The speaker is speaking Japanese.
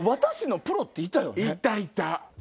いたいた！